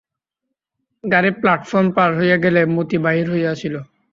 গাড়ি প্লাটফর্ম পার হইয়া গেলে মতি বাহির হইয়া আসিল।